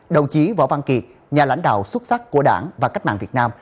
đồng chí võ văn kiệt nhà lãnh đạo xuất sắc của đảng và cách mạng việt nam